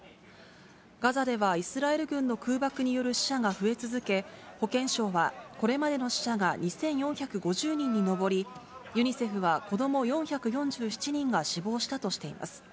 ガザではイスラエル軍の空爆による死者が増え続け、保健省はこれまでの死者が２４５０人に上り、ユニセフは子ども４４７人が死亡したとしています。